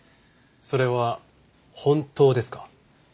それは本当ですか？